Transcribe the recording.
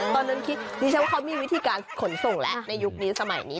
บิฉันว่าเค้ามีวิธีการขนส่งโหล่ะในยุคนี้สมัยนี้